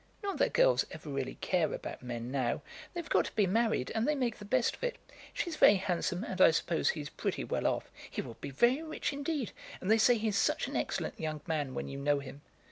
"Not that girls ever really care about men now. They've got to be married, and they make the best of it. She's very handsome, and I suppose he's pretty well off." "He will be very rich indeed. And they say he's such an excellent young man when you know him."